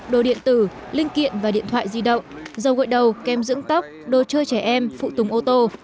đồ điện tử linh kiện và điện thoại di động dầu gội đầu kem dưỡng tóc đồ chơi trẻ em phụ tùng ô tô